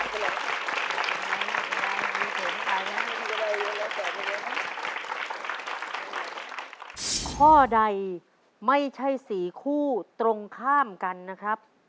ข้อใดไม่ใช่๔คู่ตรงข้ามกันนะครับ